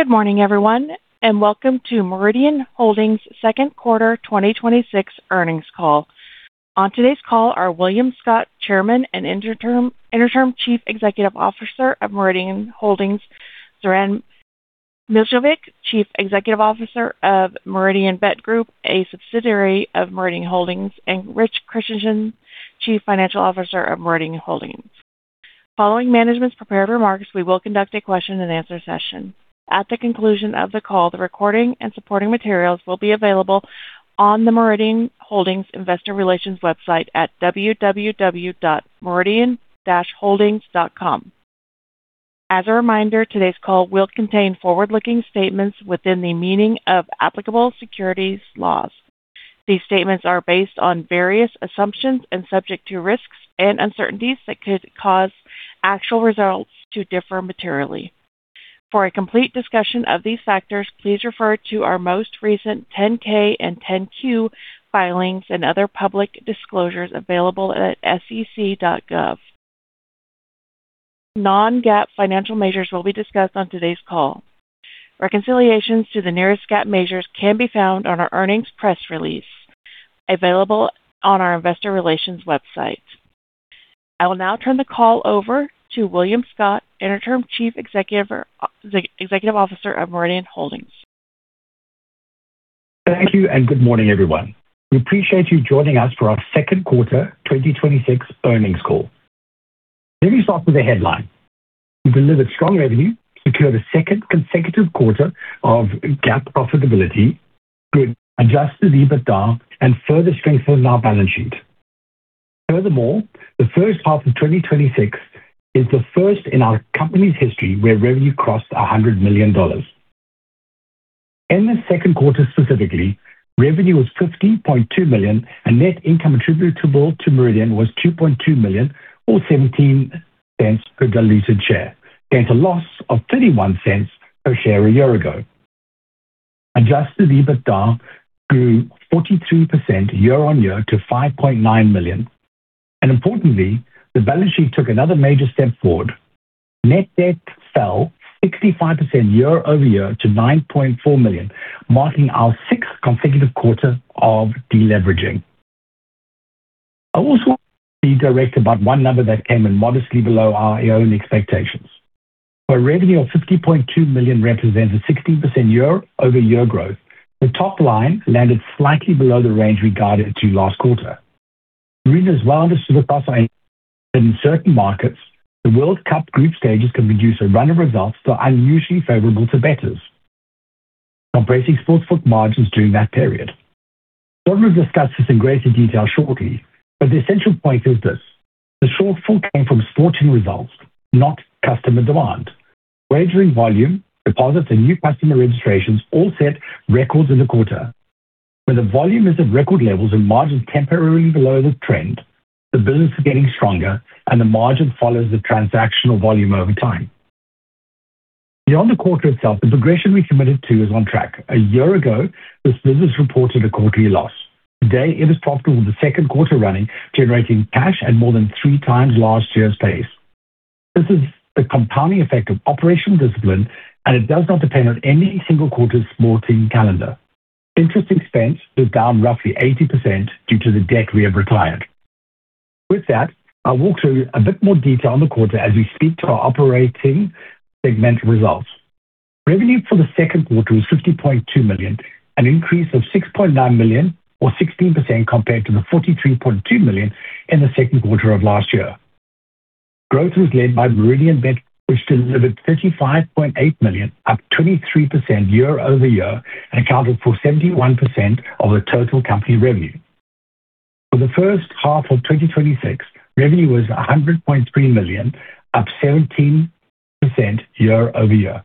Good morning everyone, welcome to Meridian Holdings second quarter 2026 earnings call. On today's call are William Scott, Chairman and Interim Chief Executive Officer of Meridian Holdings, Zoran Milošević, Chief Executive Officer of Meridianbet Group, a subsidiary of Meridian Holdings, and Rich Christensen, Chief Financial Officer of Meridian Holdings. Following management's prepared remarks, we will conduct a question and answer session. At the conclusion of the call, the recording and supporting materials will be available on the Meridian Holdings investor relations website at www.meridian-holdings.com. As a reminder, today's call will contain forward-looking statements within the meaning of applicable securities laws. These statements are based on various assumptions and subject to risks and uncertainties that could cause actual results to differ materially. For a complete discussion of these factors, please refer to our most recent 10K and 10Q filings and other public disclosures available at sec.gov. Non-GAAP financial measures will be discussed on today's call. Reconciliations to the nearest GAAP measures can be found on our earnings press release available on our investor relations website. I will now turn the call over to William Scott, Interim Chief Executive Officer of Meridian Holdings. Thank you. Good morning, everyone. We appreciate you joining us for our second quarter 2026 earnings call. Let me start with the headline. We delivered strong revenue, secured a second consecutive quarter of GAAP profitability, good adjusted EBITDA, and further strengthened our balance sheet. Furthermore, the first half of 2026 is the first in our company's history where revenue crossed $100 million. In the second quarter, specifically, revenue was $50.2 million, and net income attributable to Meridian was $2.2 million or $0.17 per diluted share, against a loss of $0.31 per share a year ago. Adjusted EBITDA grew 43% year-over-year to $5.9 million, and importantly, the balance sheet took another major step forward. Net debt fell 65% year-over-year to $9.4 million, marking our sixth consecutive quarter of deleveraging. I will also be direct about one number that came in modestly below our own expectations. While revenue of $50.2 million represents a 16% year-over-year growth, the top line landed slightly below the range we guided to last quarter. Meridian is well-diversified in certain markets. The World Cup group stages can produce a run of results that are unusually favorable to bettors. Our basic sports book margins during that period. Zoran will discuss this in greater detail shortly, but the essential point is this: the shortfall came from sporting results, not customer demand. Wagering volume, deposits, and new customer registrations all set records in the quarter. When the volume is at record levels and margins temporarily below the trend, the business is getting stronger, and the margin follows the transactional volume over time. Beyond the quarter itself, the progression we committed to is on track. A year ago, this business reported a quarterly loss. Today, it is profitable, with the second quarter running, generating cash at more than 3x last year's pace. This is the compounding effect of operational discipline, and it does not depend on any single quarter's sporting calendar. Interest expense was down roughly 80% due to the debt we have retired. I'll walk through a bit more detail on the quarter as we speak to our operating segment results. Revenue for the second quarter was $50.2 million, an increase of $6.9 million or 16% compared to the $43.2 million in the second quarter of last year. Growth was led by Meridianbet, which delivered $35.8 million, up 23% year-over-year, and accounted for 71% of the total company revenue. For the first half of 2026, revenue was $100.3 million, up 17% year-over-year.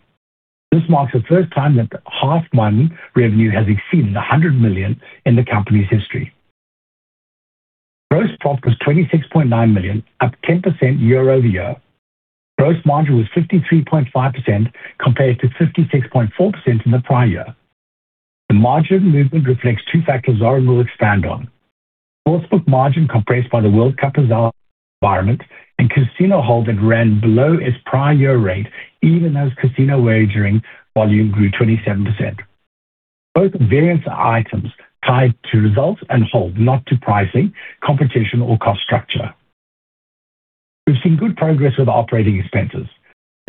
This marks the first time that half one revenue has exceeded $100 million in the company's history. Gross profit was $26.9 million, up 10% year-over-year. Gross margin was 53.5% compared to 56.4% in the prior year. The margin movement reflects two factors Zoran will expand on. Sports book margin compressed by the World Cup environment and casino hold that ran below its prior year rate even as casino wagering volume grew 27%. Both variants are items tied to results and hold, not to pricing, competition, or cost structure. We've seen good progress with operating expenses.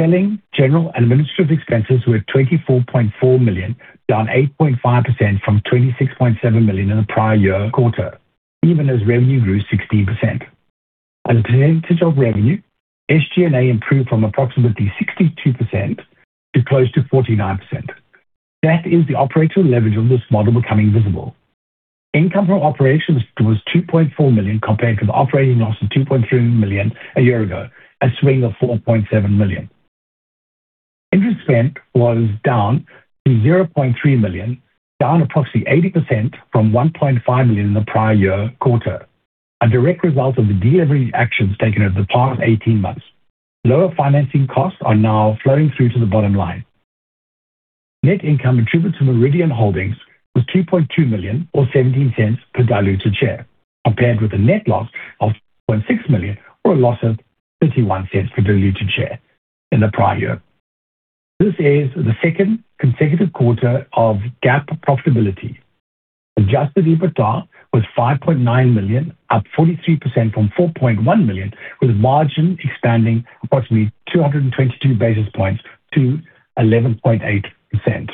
Selling, General, and Administrative expenses were $24.4 million, down 8.5% from $26.7 million in the prior year quarter, even as revenue grew 16%. As a percentage of revenue, SG&A improved from approximately 62% to close to 49%. That is the operational leverage of this model becoming visible. Income from operations was $2.4 million compared to the operating loss of $2.3 million a year ago, a swing of $4.7 million. Interest spent was down to $0.3 million, down approximately 80% from $1.5 million in the prior year quarter, a direct result of the deleveraging actions taken over the past 18 months. Lower financing costs are now flowing through to the bottom line. Net income attributable to Meridian Holdings was $2.2 million or $0.17 per diluted share. Compared with a net loss of $4.6 million or a loss of $0.31 per diluted share in the prior year. This is the second consecutive quarter of GAAP profitability. Adjusted EBITDA was $5.9 million, up 43% from $4.1 million, with margin expanding approximately 222 basis points to 11.8%.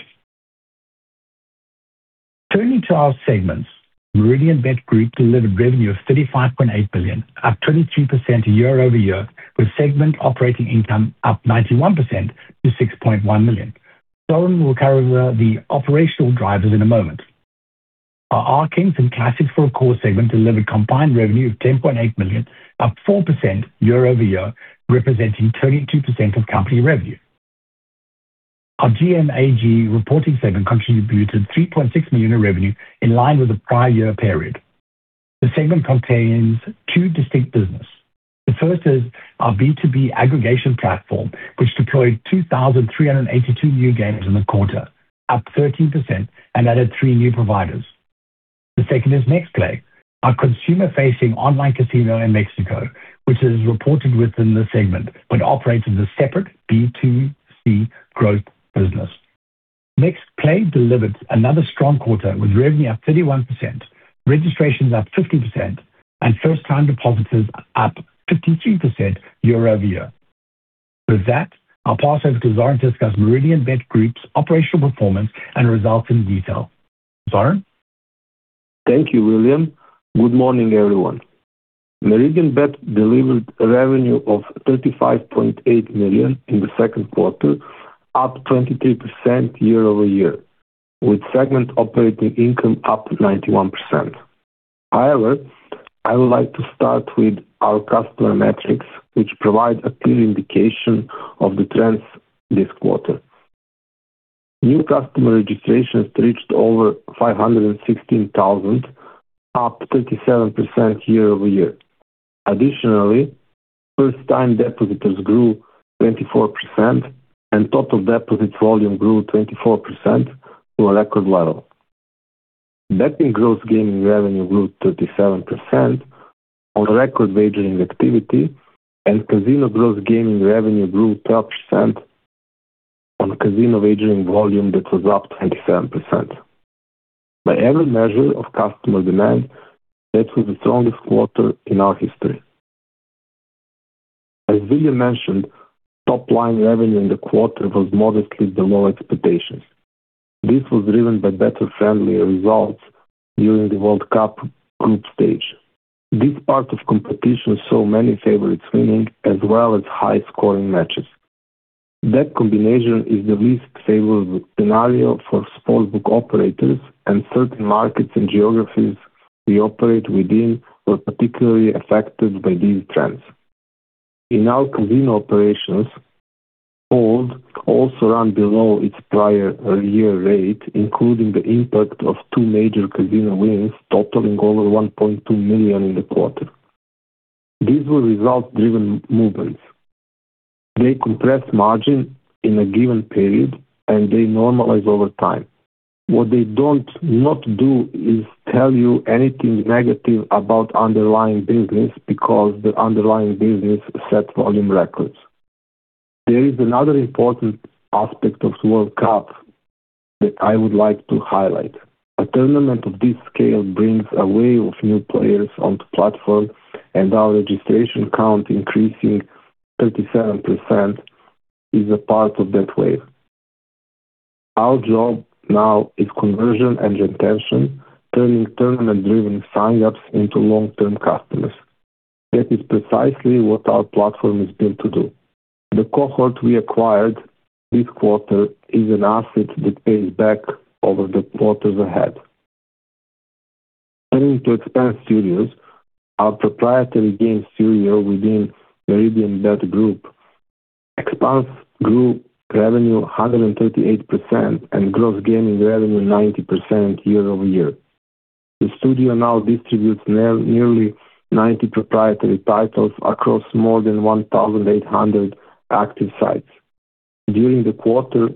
Turning to our segments. Meridianbet Group delivered revenue of $35.8 million, up 23% year-over-year, with segment operating income up 91% to $6.1 million. Zoran will cover the operational drivers in a moment. Our RKings & Classics segment delivered combined revenue of $10.8 million, up 4% year-over-year, representing 32% of company revenue. Our GMAG reporting segment contributed $3.6 million in revenue in line with the prior year period. The segment contains two distinct businesses. The first is our B2B aggregation platform, which deployed 2,382 new games in the quarter, up 13%, and added three new providers. The second is MexPlay, our consumer-facing online casino in Mexico, which is reported within the segment but operates as a separate B2C growth business. MexPlay delivered another strong quarter with revenue up 31%, registrations up 50%, and first-time depositors up 53% year-over-year. With that, I'll pass over to Zoran to discuss Meridianbet Group's operational performance and results in detail. Zoran? Thank you, William. Good morning, everyone. Meridianbet delivered revenue of $35.8 million in the second quarter, up 23% year-over-year, with segment operating income up 91%. I would like to start with our customer metrics, which provide a clear indication of the trends this quarter. New customer registrations reached over 516,000, up 37% year-over-year. Additionally, first-time depositors grew 24% and total deposits volume grew 24% to a record level. Betting gross gaming revenue grew 37% on record wagering activity, and casino gross gaming revenue grew 12% on casino wagering volume that was up 27%. By every measure of customer demand, that was the strongest quarter in our history. As William mentioned, top-line revenue in the quarter was modestly below expectations. This was driven by betting-friendly results during the World Cup group stage. This part of competition saw many favorites winning, as well as high-scoring matches. That combination is the least favorable scenario for sportsbook operators and certain markets and geographies we operate within were particularly affected by these trends. In our casino operations, hold also run below its prior year rate, including the impact of two major casino wins totaling over $1.2 million in the quarter. These were result-driven movements. They compress margin in a given period, and they normalize over time. What they don't do is tell you anything negative about underlying business because the underlying business set volume records. There is another important aspect of World Cup that I would like to highlight. A tournament of this scale brings a wave of new players onto platform and our registration count increasing 37% is a part of that wave. Our job now is conversion and retention, turning tournament-driven sign-ups into long-term customers. That is precisely what our platform is built to do. The cohort we acquired this quarter is an asset that pays back over the quarters ahead. Turning to Expanse Studios, our proprietary game studio within Meridianbet Group. Expanse grew revenue 138% and gross gaming revenue 90% year-over-year. The studio now distributes nearly 90 proprietary titles across more than 1,800 active sites. During the quarter,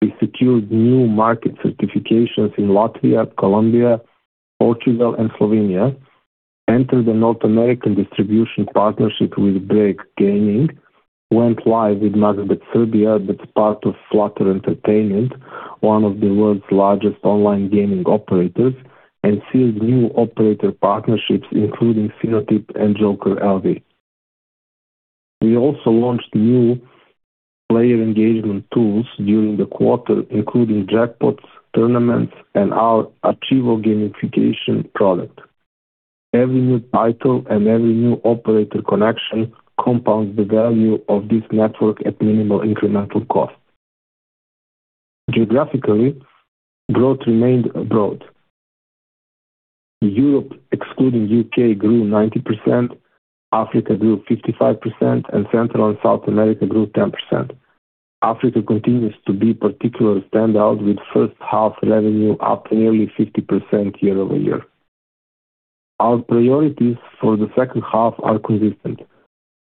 we secured new market certifications in Latvia, Colombia, Portugal, and Slovenia, entered a North American distribution partnership with Break Gaming, went live with MaxBet Serbia, that's part of Flutter Entertainment, one of the world's largest online gaming operators, and sealed new operator partnerships including Finbet and Joker.lv. We also launched new player engagement tools during the quarter, including jackpots, tournaments, and our Achievo gamification product. Every new title and every new operator connection compounds the value of this network at minimal incremental cost. Geographically, growth remained abroad. Europe excluding U.K. grew 90%, Africa grew 55%, and Central and South America grew 10%. Africa continues to be particular standout with first half revenue up nearly 50% year-over-year. Our priorities for the second half are consistent.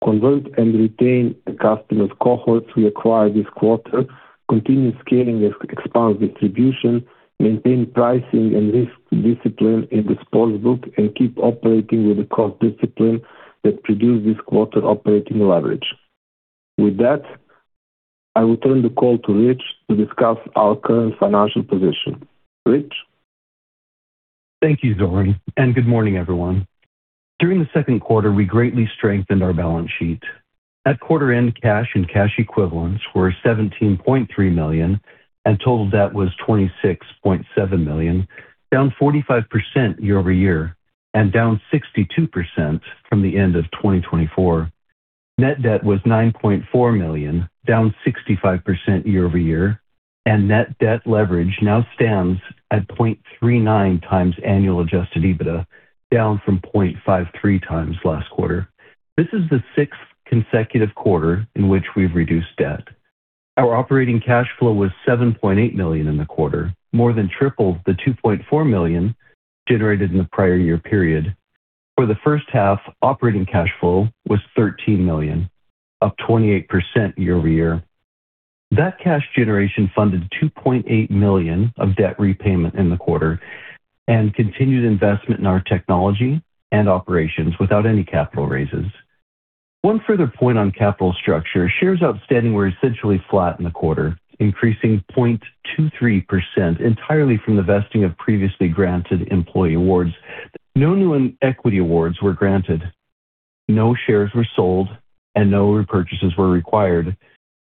Convert and retain the customer cohorts we acquired this quarter, continue scaling and expand distribution, maintain pricing and risk discipline in the sportsbook, and keep operating with the cost discipline that produced this quarter operating leverage. With that, I return the call to Rich Christensen to discuss our current financial position. Rich. Thank you, Zoran, and good morning, everyone. During the second quarter, we greatly strengthened our balance sheet. At quarter end, cash and cash equivalents were $17.3 million, and total debt was $26.7 million, down 45% year-over-year, and down 62% from the end of 2024. Net debt was $9.4 million, down 65% year-over-year, and net debt leverage now stands at 0.39x annual adjusted EBITDA, down from 0.53x last quarter. This is the sixth consecutive quarter in which we've reduced debt. Our operating cash flow was $7.8 million in the quarter, more than triple the $2.4 million generated in the prior year period. For the first half, operating cash flow was $13 million, up 28% year-over-year. That cash generation funded $2.8 million of debt repayment in the quarter and continued investment in our technology and operations without any capital raises. One further point on capital structure, shares outstanding were essentially flat in the quarter, increasing 0.23% entirely from the vesting of previously granted employee awards. No new equity awards were granted, no shares were sold, and no repurchases were required.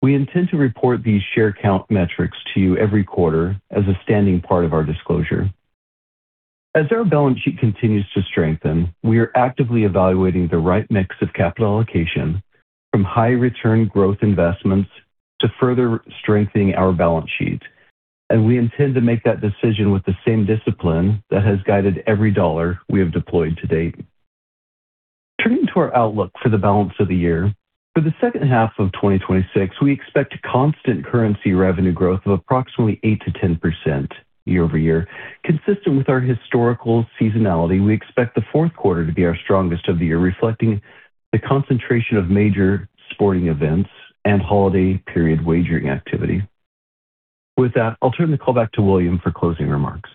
We intend to report these share count metrics to you every quarter as a standing part of our disclosure. As our balance sheet continues to strengthen, we are actively evaluating the right mix of capital allocation from high-return growth investments to further strengthening our balance sheet. We intend to make that decision with the same discipline that has guided every dollar we have deployed to date. Turning to our outlook for the balance of the year. For the second half of 2026, we expect constant currency revenue growth of approximately 8%-10% year-over-year. Consistent with our historical seasonality, we expect the fourth quarter to be our strongest of the year, reflecting the concentration of major sporting events and holiday period wagering activity. With that, I'll turn the call back to William for closing remarks.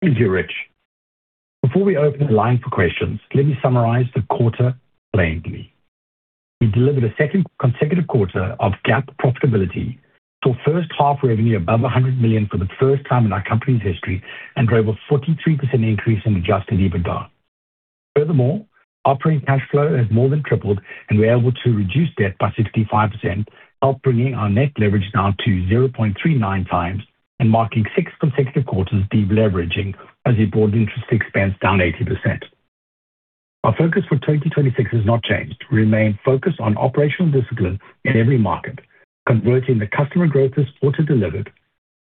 Thank you, Rich. Before we open the line for questions, let me summarize the quarter plainly. We delivered a second consecutive quarter of GAAP profitability, saw first half revenue above $100 million for the first time in our company's history, and drove a 43% increase in adjusted EBITDA. Furthermore, operating cash flow has more than tripled, and we're able to reduce debt by 65%, help bringing our net leverage down to 0.39x and marking six consecutive quarters of deleveraging as we brought interest expense down 80%. Our focus for 2026 has not changed. We remain focused on operational discipline in every market, converting the customer growth this quarter delivered,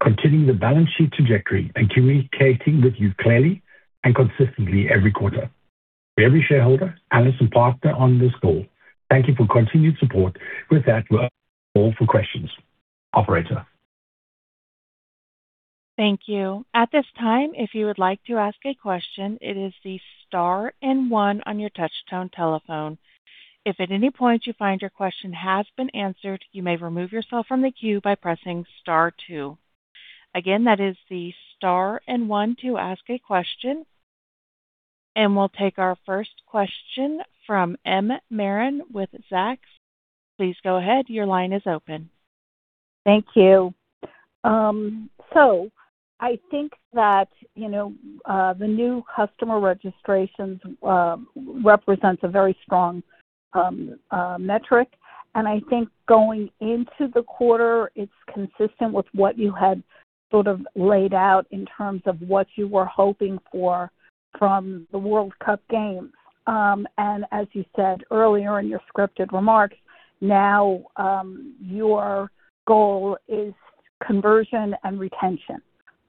continuing the balance sheet trajectory, and communicating with you clearly and consistently every quarter. To every shareholder, analyst, and partner on this call, thank you for your continued support. With that, we'll open the floor for questions. Operator? Thank you. At this time, if you would like to ask a question, it is the star and one on your touch tone telephone. If at any point you find your question has been answered, you may remove yourself from the queue by pressing star two. Again, that is the star and one to ask a question. We'll take our first question from M. Marin with Zacks. Please go ahead. Your line is open. Thank you. I think that the new customer registrations represents a very strong metric, and I think going into the quarter, it's consistent with what you had sort of laid out in terms of what you were hoping for from the World Cup games. As you said earlier in your scripted remarks, now your goal is conversion and retention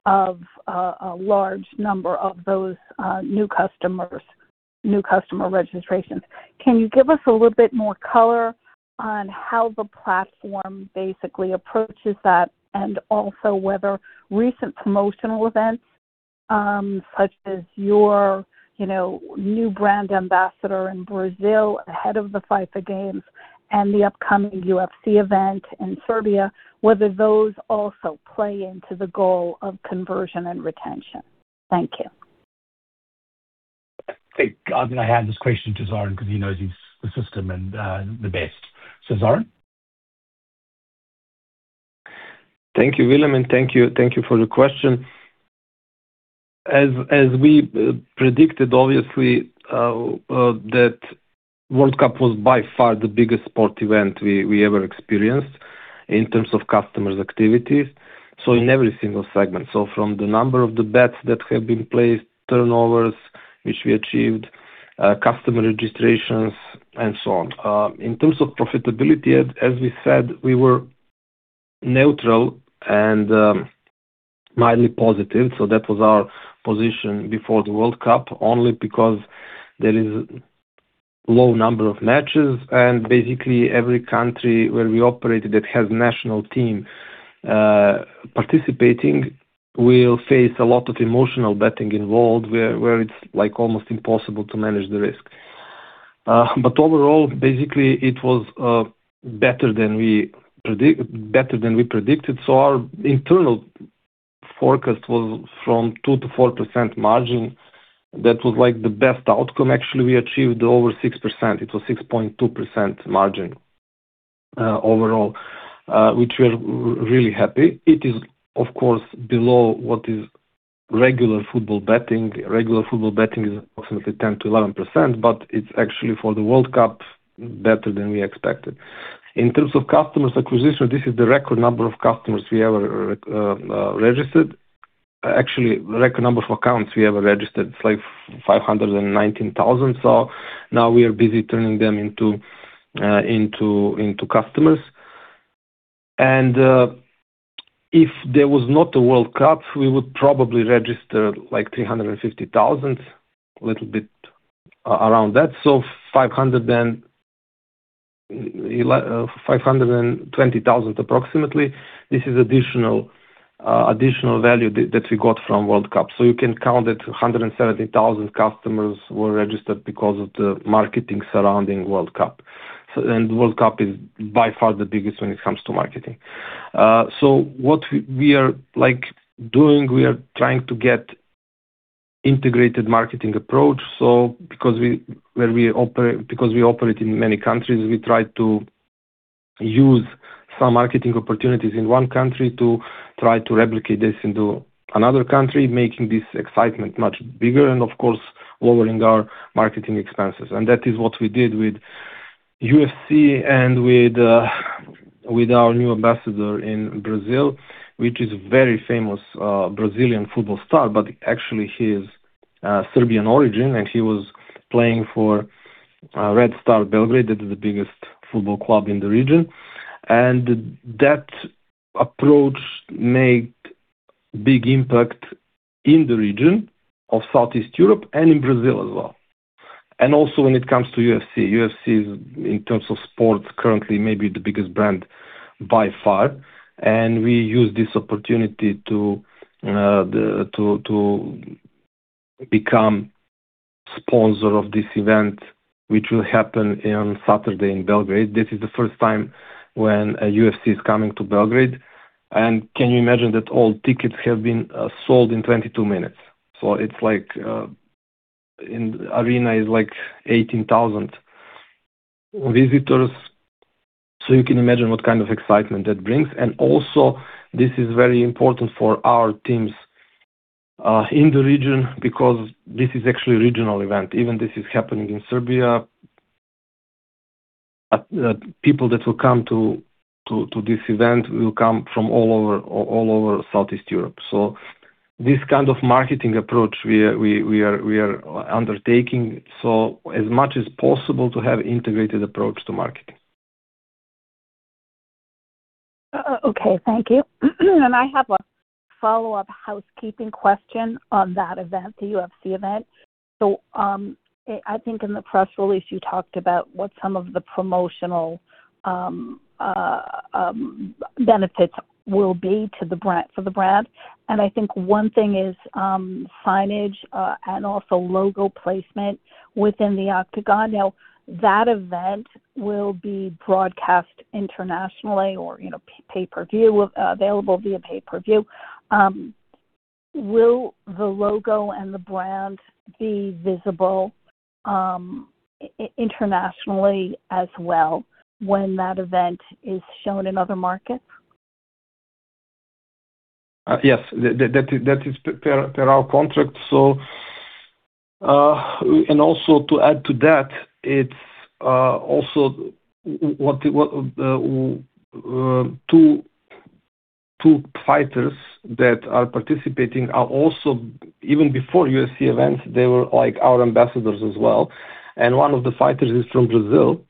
of a large number of those new customer registrations. Can you give us a little bit more color on how the platform basically approaches that? Also whether recent promotional events, such as your new brand ambassador in Brazil ahead of the FIFA games and the upcoming UFC event in Serbia, whether those also play into the goal of conversion and retention. Thank you. I think I'm going to hand this question to Zoran because he knows the system the best. Zoran? Thank you, William, and thank you for the question. As we predicted, obviously, that World Cup was by far the biggest sport event we ever experienced in terms of customers' activities. In every single segment, from the number of the bets that have been placed, turnovers which we achieved, customer registrations, and so on. In terms of profitability, as we said, we were neutral and mildly positive. That was our position before the World Cup, only because there is low number of matches and basically every country where we operate that has national team participating will face a lot of emotional betting involved where it's almost impossible to manage the risk. Overall, basically, it was better than we predicted. Our internal forecast was from 2%-4% margin. That was the best outcome. Actually, we achieved over 6%. It was 6.2% margin overall, which we are really happy. It is, of course, below what is regular football betting. Regular football betting is approximately 10%-11%, but it's actually for the World Cup, better than we expected. In terms of customer acquisition, this is the record number of customers we ever registered. Actually, the record number of accounts we ever registered. It's like 519,000. Now we are busy turning them into customers. If there was not a World Cup, we would probably register 350,000, a little bit around that. 520,000 approximately, this is additional value that we got from World Cup. You can count it, 170,000 customers were registered because of the marketing surrounding World Cup. World Cup is by far the biggest when it comes to marketing. What we are doing, we are trying to get integrated marketing approach. Because we operate in many countries, we try to use some marketing opportunities in one country to try to replicate this into another country, making this excitement much bigger and of course, lowering our marketing expenses. That is what we did with UFC and with our new ambassador in Brazil, which is a very famous Brazilian football star, but actually he is Serbian origin, and he was playing for Red Star Belgrade, that is the biggest football club in the region. That approach made big impact in the region of Southeast Europe and in Brazil as well. Also when it comes to UFC. UFC is, in terms of sports currently, maybe the biggest brand by far. We use this opportunity to become sponsor of this event, which will happen on Saturday in Belgrade. This is the first time when a UFC is coming to Belgrade. Can you imagine that all tickets have been sold in 22 minutes? Arena is like 18,000 visitors, you can imagine what kind of excitement that brings. Also, this is very important for our teams in the region because this is actually a regional event. Even this is happening in Serbia. People that will come to this event will come from all over Southeast Europe. This kind of marketing approach we are undertaking, as much as possible to have integrated approach to marketing. Okay. Thank you. I have a follow-up housekeeping question on that event, the UFC event. I think in the press release, you talked about what some of the promotional benefits will be for the brand. I think one thing is signage and also logo placement within the octagon. That event will be broadcast internationally or available via pay-per-view. Will the logo and the brand be visible internationally as well when that event is shown in other markets? Yes. That is per our contract. Also to add to that, two fighters that are participating are also, even before UFC events, they were our ambassadors as well, and one of the fighters is from Brazil.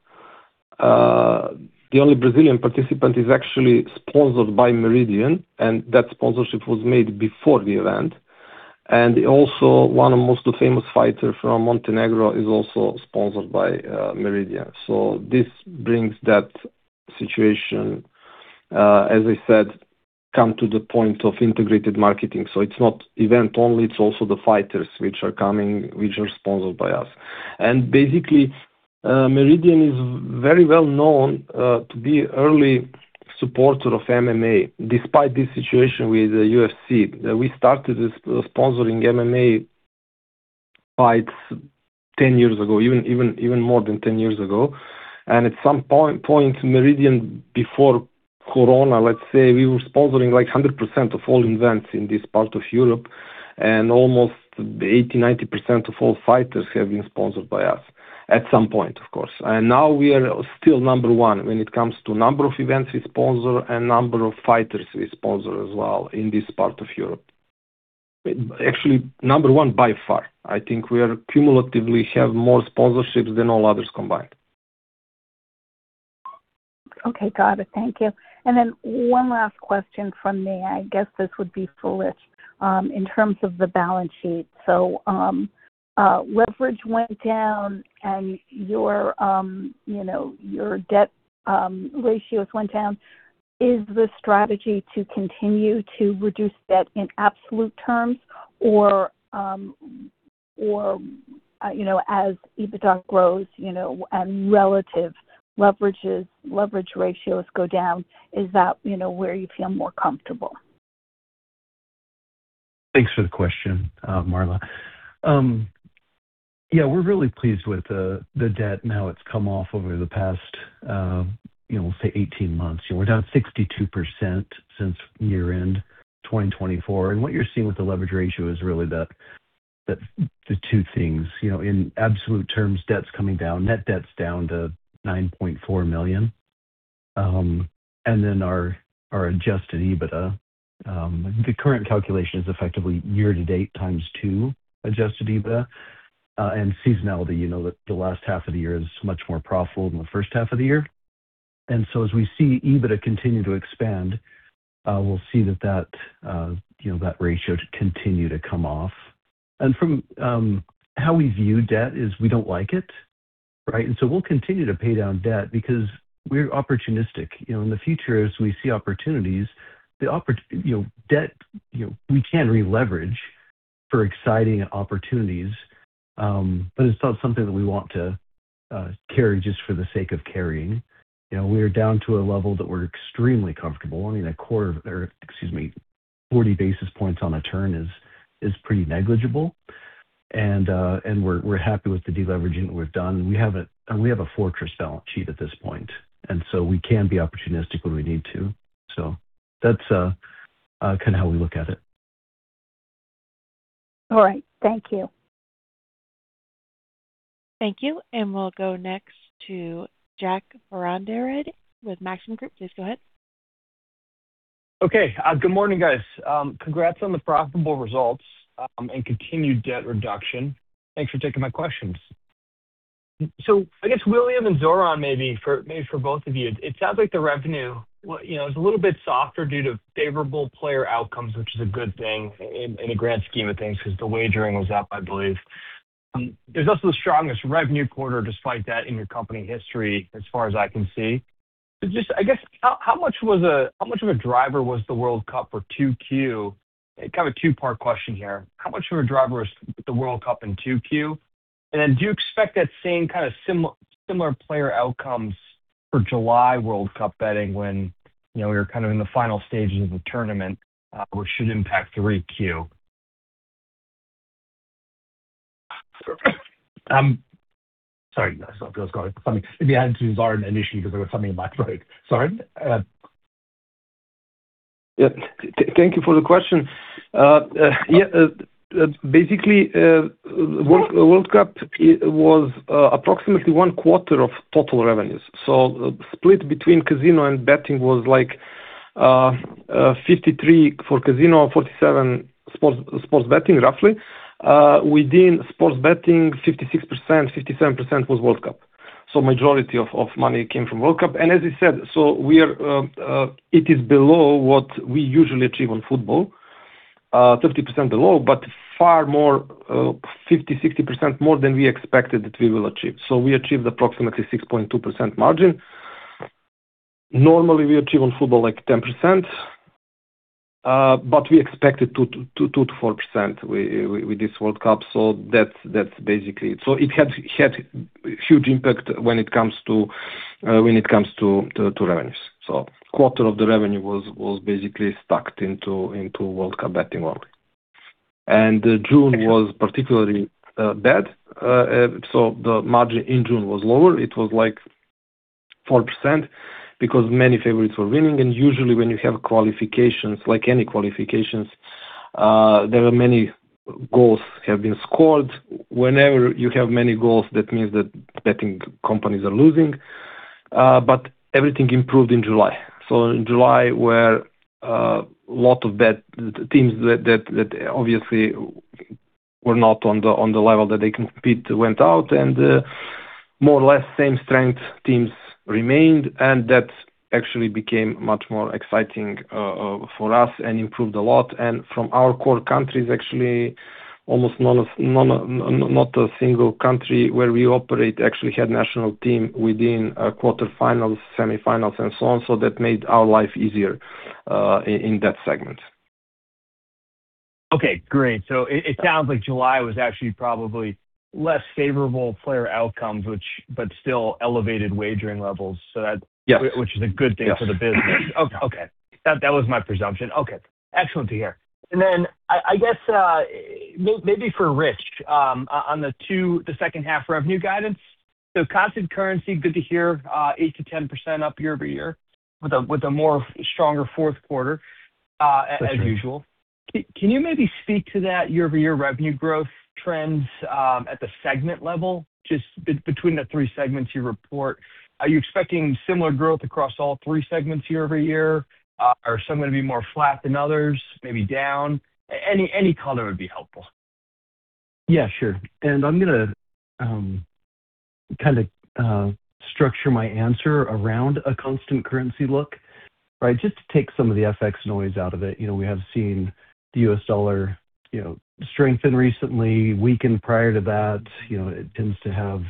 The only Brazilian participant is actually sponsored by Meridian, and that sponsorship was made before the event. Also one of the most famous fighter from Montenegro is also sponsored by Meridian. This brings that situation, as I said, come to the point of integrated marketing. It's not event only, it's also the fighters which are coming, which are sponsored by us. Basically, Meridian is very well known to be early supporter of MMA, despite this situation with the UFC. We started sponsoring MMA fights 10 years ago, even more than 10 years ago. At some point, Meridian, before corona, let's say, we were sponsoring 100% of all events in this part of Europe, and almost 80%, 90% of all fighters have been sponsored by us, at some point, of course. Now we are still number one when it comes to number of events we sponsor and number of fighters we sponsor as well in this part of Europe. Actually, number one by far. I think we cumulatively have more sponsorships than all others combined. Okay. Got it. Thank you. One last question from me. I guess this would be foolish. In terms of the balance sheet. Leverage went down and your debt ratios went down. Is the strategy to continue to reduce debt in absolute terms or as EBITDA grows, and relative leverages, leverage ratios go down, is that where you feel more comfortable? Thanks for the question, Marla. We're really pleased with the debt and how it's come off over the past, we'll say 18 months. We're down 62% since year-end 2024. What you're seeing with the leverage ratio is really the two things. In absolute terms, debt's coming down, net debt's down to $9.4 million. Our adjusted EBITDA. The current calculation is effectively year-to-date x2 adjusted EBITDA and seasonality. The last half of the year is much more profitable than the first half of the year. As we see EBITDA continue to expand, we'll see that ratio to continue to come off. From how we view debt is we don't like it, right? We'll continue to pay down debt because we're opportunistic. In the future, as we see opportunities, debt, we can re-leverage for exciting opportunities, but it's not something that we want to carry just for the sake of carrying. We are down to a level that we're extremely comfortable. I mean, a quarter or, excuse me, 40 basis points on a turn is pretty negligible. We're happy with the deleveraging that we've done. We have a fortress balance sheet at this point, so we can be opportunistic when we need to. That's kind of how we look at it. All right. Thank you. Thank you. We'll go next to Jack Vander Aarde with Maxim Group. Please go ahead. Okay. Good morning, guys. Congrats on the profitable results and continued debt reduction. Thanks for taking my questions. I guess William and Zoran maybe for both of you, it sounds like the revenue is a little bit softer due to favorable player outcomes, which is a good thing in the grand scheme of things because the wagering was up, I believe. It was also the strongest revenue quarter despite that in your company history, as far as I can see. Just, I guess, how much of a driver was the World Cup for 2Q? Kind of a two-part question here. How much of a driver was the World Cup in 2Q? Then do you expect that same kind of similar player outcomes for July World Cup betting when we were in the final stages of the tournament, which should impact 3Q? Sorry, guys. I thought it was going funny. If you had to, Zoran initially, because there was something in my throat. Zoran? Thank you for the question. Basically, World Cup was approximately one-quarter of total revenues. The split between casino and betting was like 53 for casino, 47 sports betting, roughly. Within sports betting, 56%, 57% was World Cup. Majority of money came from World Cup. As you said, it is below what we usually achieve on football, 30% below, but far more, 50%, 60% more than we expected that we will achieve. We achieved approximately 6.2% margin. Normally, we achieve on football like 10%, but we expected 2%-4% with this World Cup. That's basically it. It had huge impact when it comes to revenues. Quarter of the revenue was basically stacked into World Cup betting only. June was particularly bad. The margin in June was lower. It was like 4% because many favorites were winning, usually when you have qualifications, like any qualifications, there are many goals have been scored. Whenever you have many goals, that means that betting companies are losing, everything improved in July. In July where a lot of bet, teams that obviously were not on the level that they compete went out and more or less same strength teams remained, that actually became much more exciting for us and improved a lot. From our core countries, actually, almost not a single country where we operate actually had national team within quarterfinals, semifinals, and so on. That made our life easier in that segment. Okay, great. It sounds like July was actually probably less favorable player outcomes, but still elevated wagering levels. Yes. Which is a good thing for the business. Yes. Okay. That was my presumption. Okay. Excellent to hear. I guess maybe for Rich, on the second half revenue guidance. Constant currency, good to hear, 8%-10% up year-over-year with a more stronger fourth quarter. That's right. As usual. Can you maybe speak to that year-over-year revenue growth trends, at the segment level, just between the three segments you report? Are you expecting similar growth across all three segments year-over-year? Are some going to be more flat than others? Maybe down? Any color would be helpful. Yeah, sure. I'm going to kind of structure my answer around a constant currency look, right? Just to take some of the FX noise out of it. We have seen the US dollar strengthen recently, weaken prior to that. It tends to have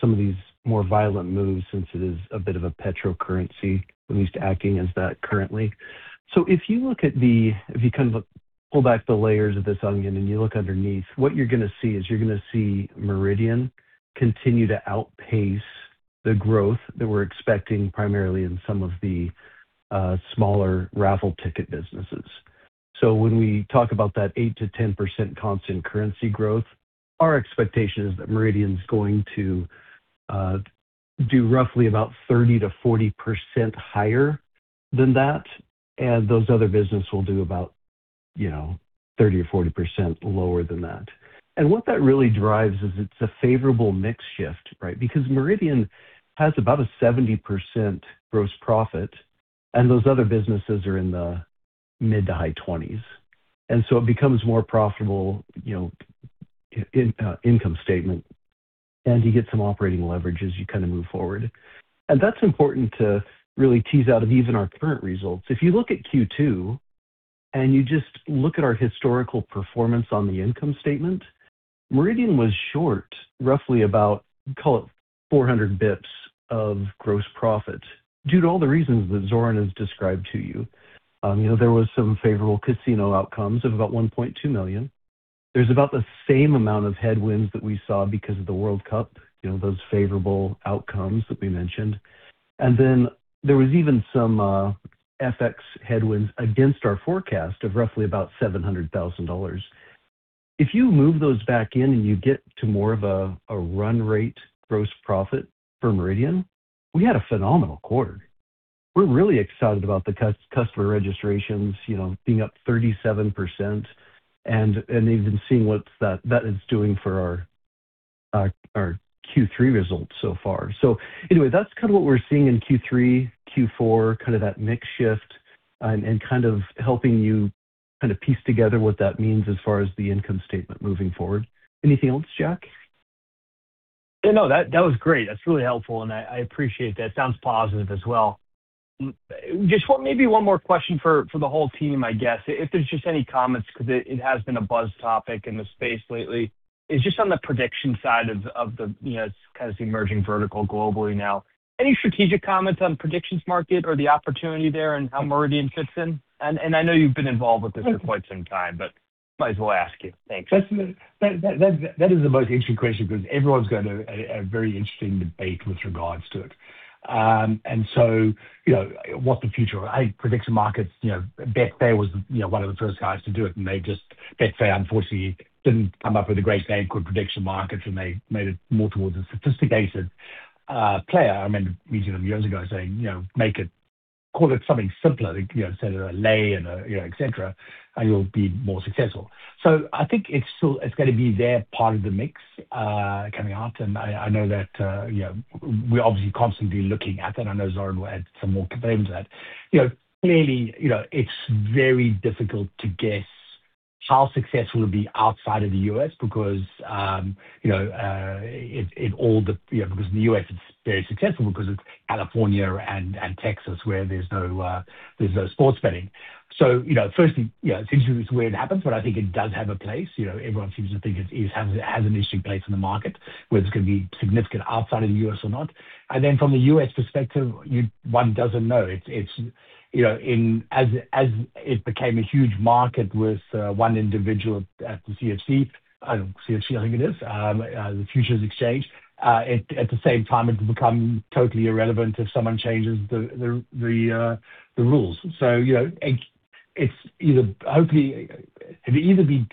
some of these more violent moves since it is a bit of a petro currency, at least acting as that currently. If you look at the If you pull back the layers of this onion and you look underneath, what you're going to see is you're going to see Meridian continue to outpace the growth that we're expecting, primarily in some of the smaller raffle ticket businesses. When we talk about that 8%-10% constant currency growth, our expectation is that Meridian is going to do roughly about 30%-40% higher than that. Those other business will do about 30% or 40% lower than that. What that really drives is it's a favorable mix shift, right? Because Meridian has about a 70% gross profit, and those other businesses are in the mid to high 20s. It becomes more profitable income statement, and you get some operating leverage as you move forward. That's important to really tease out of even our current results. If you look at Q2, and you just look at our historical performance on the income statement, Meridian was short roughly about, call it 400 bips of gross profit due to all the reasons that Zoran has described to you. There was some favorable casino outcomes of about $1.2 million. There's about the same amount of headwinds that we saw because of the World Cup, those favorable outcomes that we mentioned. Then there was even some FX headwinds against our forecast of roughly about $700,000. If you move those back in and you get to more of a run rate gross profit for Meridian, we had a phenomenal quarter. We're really excited about the customer registrations being up 37% and even seeing what that is doing for our Q3 results so far. Anyway, that's what we're seeing in Q3, Q4, that mix shift and helping you piece together what that means as far as the income statement moving forward. Anything else, Jack? Maybe one more question for the whole team, I guess. Any comments, because it has been a buzz topic in the space lately, is just on the prediction side of the emerging vertical globally now. Any strategic comments on prediction markets or the opportunity there and how Meridian fits in? I know you've been involved with this for quite some time, but might as well ask you. Thanks. That is the most interesting question because everyone's got a very interesting debate with regards to it. Prediction markets, Betfair was one of the first guys to do it, and Betfair, unfortunately, didn't come up with a great name called prediction markets, and they made it more towards a sophisticated player. I remember meeting them years ago saying, "Call it something simpler instead of a lay, et cetera, and you'll be more successful." I think it's going to be there, part of the mix, coming out, and I know that we're obviously constantly looking at that. I know Zoran will add some more comment to that. Clearly, it's very difficult to guess how successful it'll be outside of the U.S. because in the U.S., it's very successful because it's California and Texas where there's no sports betting. Firstly, it's interesting where it happens, but I think it does have a place. Everyone seems to think it has an interesting place in the market, whether it's going to be significant outside of the U.S. or not. From the U.S. perspective, one doesn't know. As it became a huge market with one individual at the CFTC, I don't know, CFTC, I think it is, the Futures Exchange, at the same time, it could become totally irrelevant if someone changes the rules. It'll either be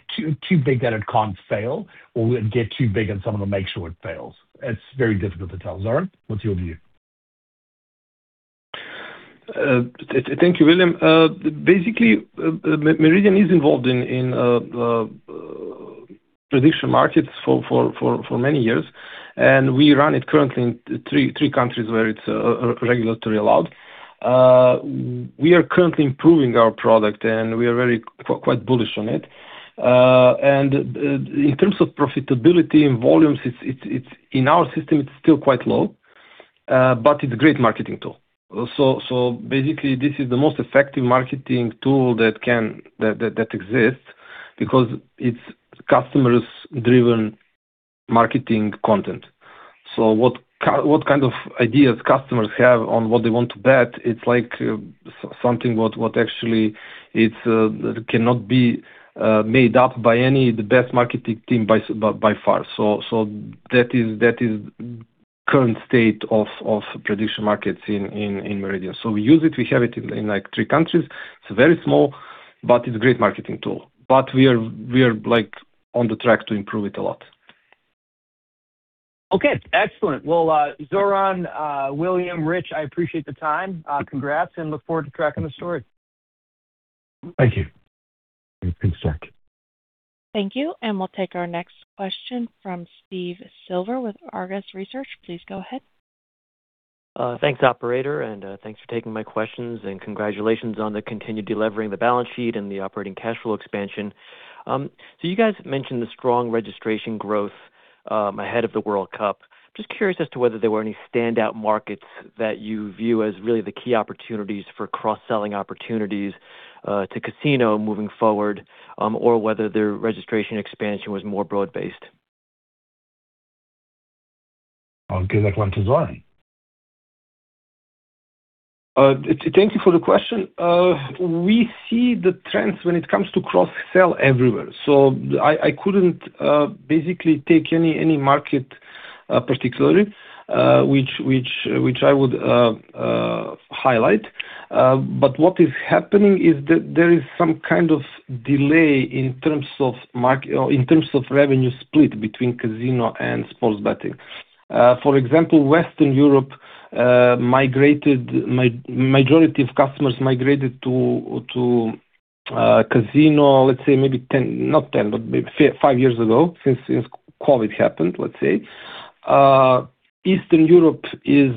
too big that it can't fail, or it'll get too big and someone will make sure it fails. It's very difficult to tell. Zoran, what's your view? Thank you, William. Meridian is involved in prediction markets for many years, and we run it currently in three countries where it's regulatory allowed. We are currently improving our product, and we are very quite bullish on it. In terms of profitability and volumes, in our system, it's still quite low, but it's a great marketing tool. This is the most effective marketing tool that exists because it's customers-driven marketing content. What kind of ideas customers have on what they want to bet, it's like something what actually cannot be made up by any the best marketing team by far. That is current state of prediction markets in Meridian. We use it, we have it in three countries. It's very small, but it's a great marketing tool. We are on the track to improve it a lot. Okay, excellent. Well, Zoran, William, Rich, I appreciate the time. Congrats, and look forward to tracking the story. Thank you. Thanks, Jack. Thank you. We'll take our next question from Steve Silver with Argus Research. Please go ahead. Thanks, operator. Thanks for taking my questions, and congratulations on the continued delevering the balance sheet and the operating cash flow expansion. You guys mentioned the strong registration growth ahead of the World Cup. Just curious as to whether there were any standout markets that you view as really the key opportunities for cross-selling opportunities to casino moving forward, or whether their registration expansion was more broad-based? I'll give that one to Zoran. Thank you for the question. We see the trends when it comes to cross-sell everywhere. I couldn't basically take any market particularly, which I would highlight. What is happening is that there is some kind of delay in terms of revenue split between casino and sports betting. For example, Western Europe, majority of customers migrated to casino, let's say maybe not 10, but maybe five years ago, since COVID happened, let's say. Eastern Europe is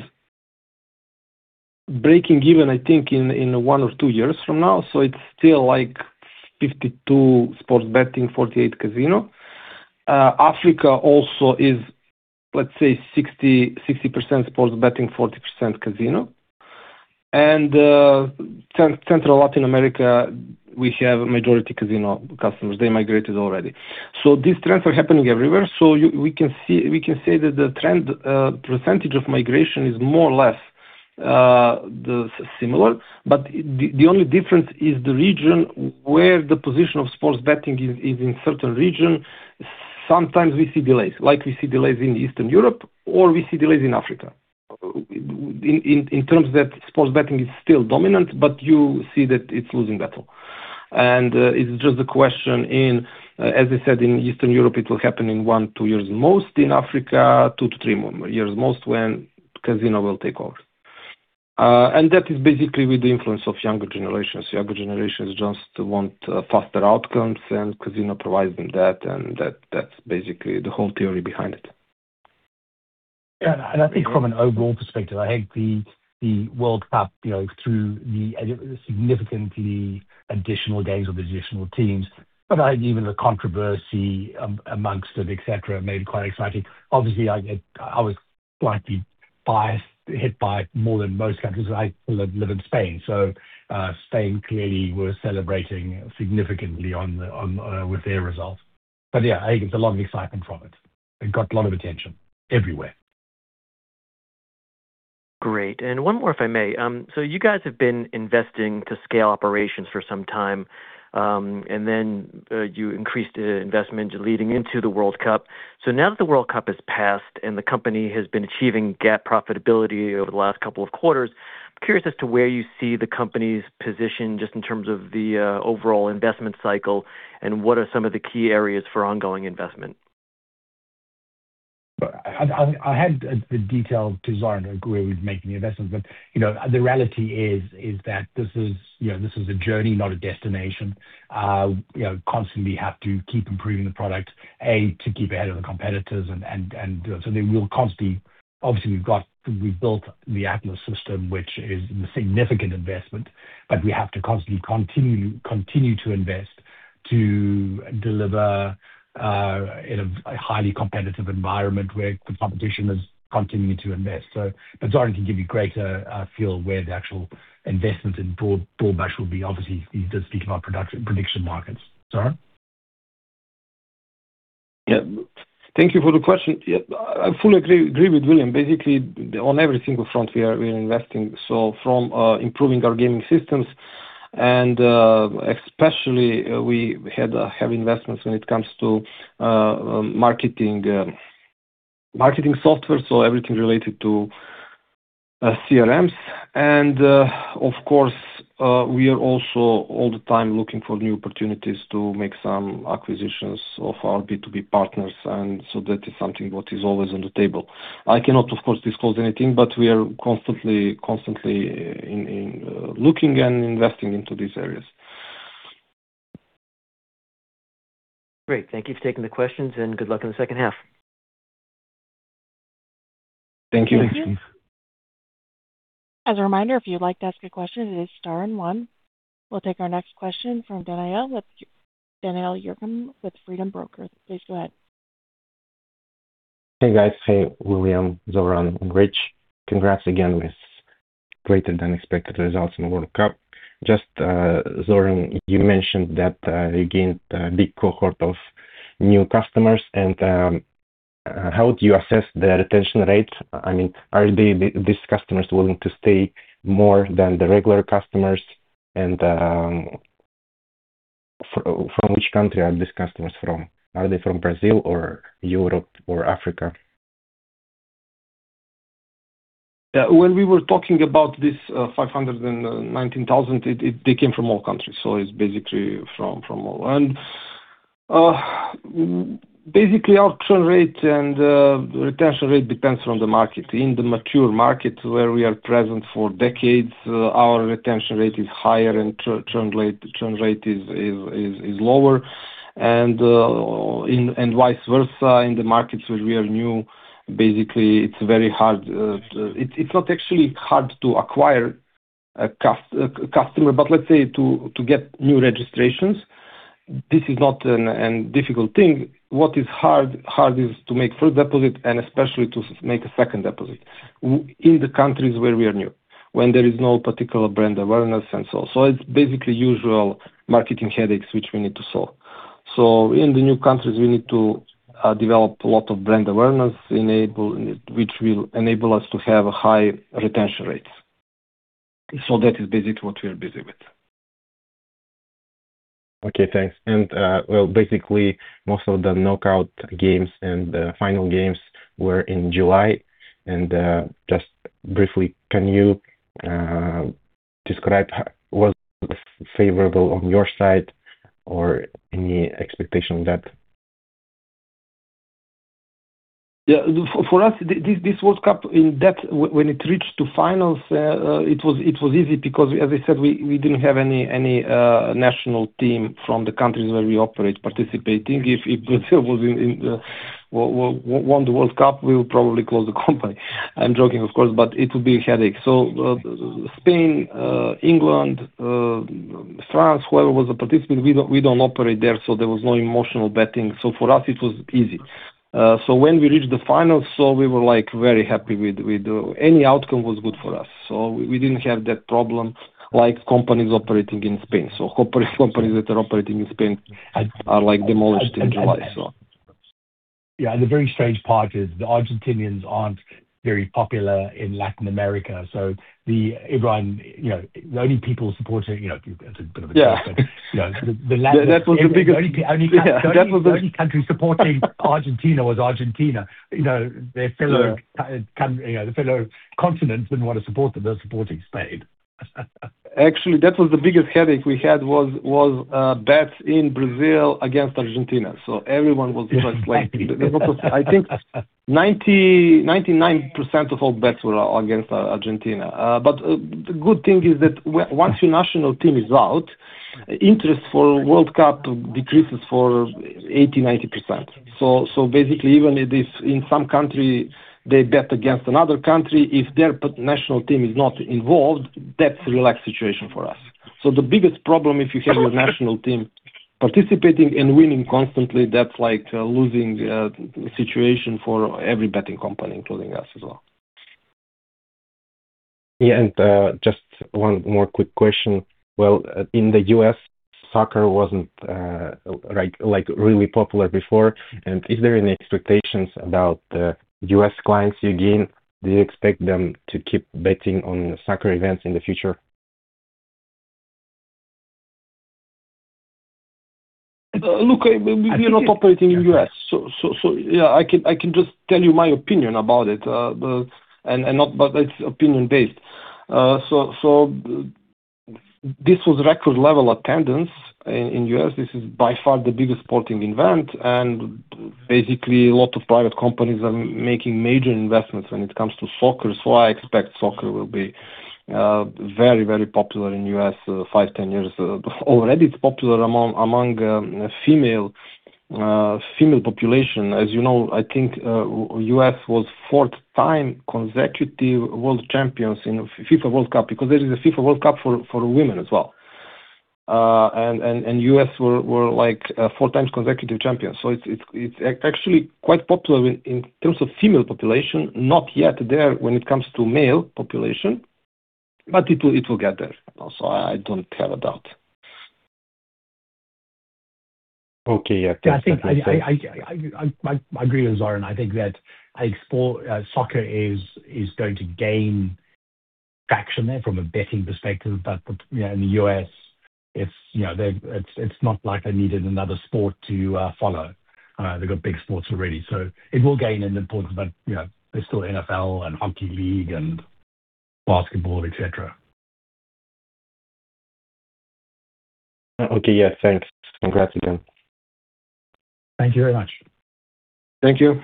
breaking even, I think, in one or two years from now. It's still like 52 sports betting, 48 casino. Africa also is, let's say, 60% sports betting, 40% casino. Central Latin America, we have majority casino customers. They migrated already. These trends are happening everywhere. We can say that the trend percentage of migration is more or less similar, but the only difference is the region where the position of sports betting is in certain region. Sometimes we see delays. Like we see delays in Eastern Europe or we see delays in Africa, in terms that sports betting is still dominant, but you see that it's losing battle. It's just a question in, as I said, in Eastern Europe, it will happen in one, two years most. In Africa, two to three years most when casino will take over. That is basically with the influence of younger generations. Younger generations just want faster outcomes, and casino provides them that, and that's basically the whole theory behind it. Yeah. I think from an overall perspective, I think the World Cup, through the significantly additional games or the additional teams, but even the controversy amongst it, et cetera, made it quite exciting. Obviously, I was slightly biased, hit by more than most countries. I live in Spain clearly were celebrating significantly with their results. Yeah, I think there's a lot of excitement from it, and got a lot of attention everywhere. Great. One more, if I may. You guys have been investing to scale operations for some time, you increased investment leading into the World Cup. Now that the World Cup has passed and the company has been achieving GAAP profitability over the last couple of quarters, I'm curious as to where you see the company's position just in terms of the overall investment cycle, and what are some of the key areas for ongoing investment? I had the detail to Zoran where we've made the investments, The reality is that this is a journey, not a destination. Constantly have to keep improving the product. A, to keep ahead of the competitors. We'll constantly-- Obviously, we've built the Atlas system, which is a significant investment, We have to constantly continue to invest to deliver in a highly competitive environment where the competition is continuing to invest. Zoran can give you greater feel where the actual investment in board batch will be. Obviously, he does speak about prediction markets. Zoran? Yeah. Thank you for the question. I fully agree with William. Basically, on every single front, we are investing. From improving our gaming systems, and especially, we have investments when it comes to marketing software, Everything related to CRMs. Of course, we are also all the time looking for new opportunities to make some acquisitions of our B2B partners, That is something what is always on the table. I cannot, of course, disclose anything, We are constantly looking and investing into these areas. Great. Thank you for taking the questions. Good luck in the second half. Thank you. Thank you. As a reminder, if you'd like to ask a question, it is star and one. We'll take our next question from Danial Yermakhan with Freedom Brokers. Please go ahead. Hey, guys. Hey, William, Zoran, and Rich. Congrats again with greater than expected results in the World Cup. Zoran, you mentioned that you gained a big cohort of new customers, how would you assess their retention rate? Are these customers willing to stay more than the regular customers? From which country are these customers from? Are they from Brazil or Europe or Africa? When we were talking about this 519,000, they came from all countries, it's basically from all. Basically, our churn rate and retention rate depends on the market. In the mature market where we are present for decades, our retention rate is higher and churn rate is lower, and vice versa. In the markets where we are new, basically, it's very hard. It's not actually hard to acquire a customer, but let's say to get new registrations, this is not an difficult thing. What is hard is to make first deposit and especially to make a second deposit in the countries where we are new, when there is no particular brand awareness and so on. It's basically usual marketing headaches which we need to solve. In the new countries, we need to develop a lot of brand awareness, which will enable us to have high retention rates. That is basically what we are busy with. Okay, thanks. Well, basically, most of the knockout games and the final games were in July. Just briefly, can you describe was it favorable on your side or any expectation on that? Yeah. For us, this World Cup, when it reached to finals, it was easy because as I said, we didn't have any national team from the countries where we operate participating. If Brazil won the World Cup, we would probably close the company. I'm joking, of course, but it would be a headache. Spain, England, France, whoever was a participant, we don't operate there, so there was no emotional betting. For us, it was easy. When we reached the finals, we were very happy. Any outcome was good for us. We didn't have that problem like companies operating in Spain. Companies that are operating in Spain are demolished in July. Yeah. The very strange part is the Argentinians aren't very popular in Latin America. The only people supporting, that's a bit of a joke. Yeah. The only country supporting Argentina was Argentina. The fellow continents didn't want to support them. They're supporting Spain. Actually, that was the biggest headache we had was bets in Brazil against Argentina. Everyone was just like, I think 99% of all bets were against Argentina. But the good thing is that once your national team is out, interest for World Cup decreases for 80%, 90%. Basically, even if in some country they bet against another country, if their national team is not involved, that's a relaxed situation for us. The biggest problem, if you have your national team participating and winning constantly, that's like losing situation for every betting company, including us as well. Just one more quick question. In the U.S., soccer wasn't really popular before. Is there any expectations about the U.S. clients you gain? Do you expect them to keep betting on soccer events in the future? Look, we are not operating in U.S., so I can just tell you my opinion about it, but it's opinion-based. This was record level attendance in U.S. This is by far the biggest sporting event, and basically, a lot of private companies are making major investments when it comes to soccer. I expect soccer will be very popular in U.S., five, 10 years. Already it's popular among female population. As you know, I think U.S. was fourth time consecutive world champions in FIFA World Cup because there is a FIFA World Cup for women as well. U.S. were 4x consecutive champions. It's actually quite popular in terms of female population. Not yet there when it comes to male population, but it'll get there. I don't have a doubt. Okay. Yeah. Thanks. I agree with Zoran. I think that soccer is going to gain traction there from a betting perspective. In the U.S., it's not like they needed another sport to follow. They've got big sports already. It will gain an importance. There's still NFL and Hockey League and basketball, et cetera. Okay. Yeah. Thanks. Congrats again. Thank you very much. Thank you.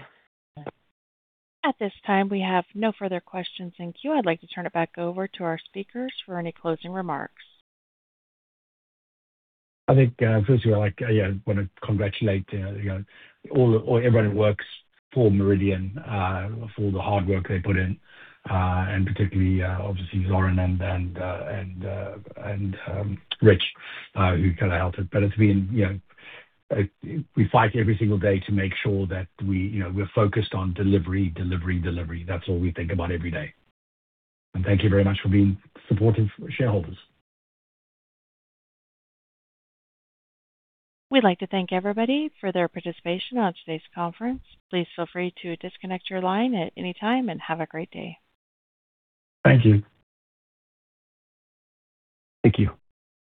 At this time, we have no further questions in queue. I'd like to turn it back over to our speakers for any closing remarks. Firstly, I want to congratulate everyone who works for Meridian for all the hard work they put in, particularly, obviously, Zoran and Rich who helped it. We fight every single day to make sure that we're focused on delivery. That's all we think about every day. Thank you very much for being supportive shareholders. We'd like to thank everybody for their participation on today's conference. Please feel free to disconnect your line at any time, and have a great day. Thank you. Thank you.